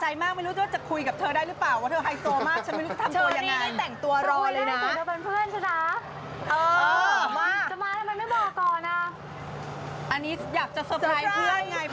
อย่าหนูส่งโทรศัพท์ให้คุย